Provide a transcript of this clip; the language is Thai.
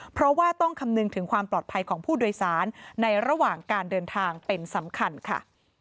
เพราะว่าต้องคำนึงถึงความปลอดภัยของผู้โดยสารในระหว่างการเดินทางเป็นสำคัญค่ะ